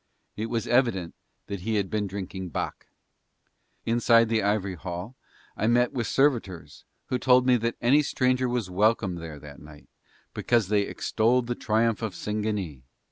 It was evident that he had been drinking bak. Inside the ivory hall I met with servitors who told me that any stranger was welcome there that night, because they extolled the triumph of Singanee.